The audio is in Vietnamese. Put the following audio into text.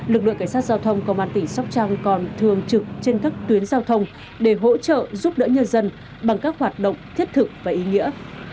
lực lượng cảnh sát giao thông công an tỉnh sóc trăng còn thường trực trên các tuyến giao thông để hỗ trợ giúp đỡ nhân dân bằng các hoạt động thiết thực và ý nghĩa